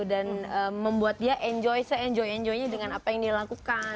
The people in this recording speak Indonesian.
dan membuat dia enjoy se enjoy enjoynya dengan apa yang dia lakukan